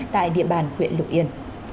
tại địa bàn huyện lục yên